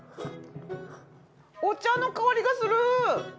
お茶の香りがするー！